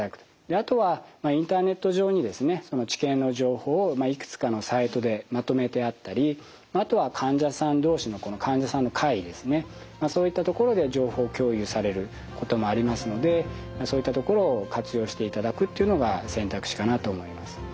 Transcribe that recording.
あとはインターネット上にですね治験の情報をいくつかのサイトでまとめてあったりあとは患者さん同士の患者さんの会ですねそういったところで情報共有されることもありますのでそういったところを活用していただくっていうのが選択肢かなと思います。